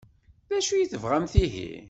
D acu i tebɣamt ihi?